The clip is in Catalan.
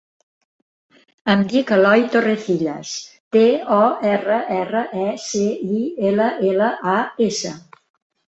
Em dic Eloy Torrecillas: te, o, erra, erra, e, ce, i, ela, ela, a, essa.